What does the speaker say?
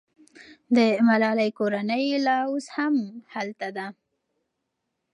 د ملالۍ کورنۍ لا اوس هم هلته ده.